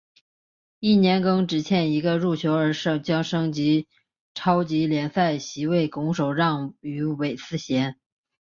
翌年更只欠一个入球而将升级超级联赛席位拱手让予韦斯咸。